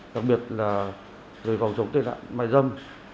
đặc biệt là lời phòng chống tên hạng mại dâm